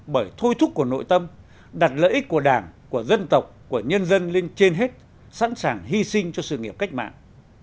bởi thôi thúc của nội tâm đặt lợi ích của đảng của dân tộc của nhân dân lên trên hết sẵn sàng hy sinh cho sự nghiệp cách mạng